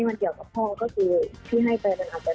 ข่าวที่ออกมาว่าหนูด่าพ่อไม่มีแน่นอน